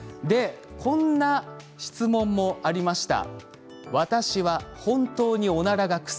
こんな質問もありました。